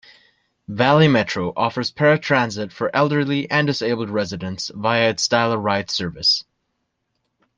Valley Metro offers paratransit for elderly and disabled residents via its Dial-a-Ride service.